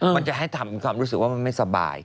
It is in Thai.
มันจะให้ทำความรู้สึกว่ามันไม่สบาย